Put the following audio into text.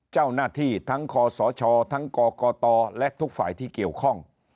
เจ้าหน้าที่ทั้งคศทั้งกกตและทุกฝ่ายที่เกี่ยวข้อง